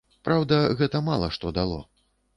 Праўда, гэта мала што дало.